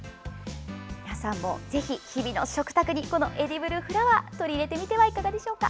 皆さんも、ぜひ日々の食卓にエディブルフラワーを取り入れてみてはいかがでしょうか。